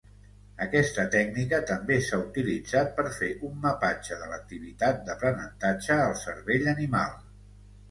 Aquesta tècnica també s'ha utilitzat per fer un mapatge de l'activitat d'aprenentatge al cervell animal.